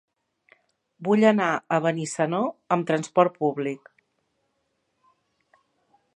Vull anar a Benissanó amb transport públic.